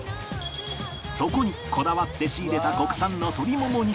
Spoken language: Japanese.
そこにこだわって仕入れた国産の鶏もも肉を入れ